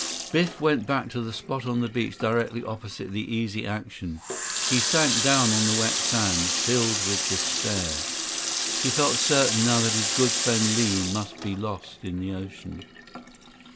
Biff went back to the spot on the beach directly opposite the Easy Action. He sank down on the wet sand, filled with despair. He felt certain now that his good friend Li must be lost in the ocean.